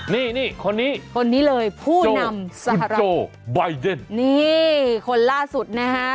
นี่คนนี้โซโฮบายเดนคนนี้เลยผู้นำสหรับนี่คนล่าสุดนะฮะ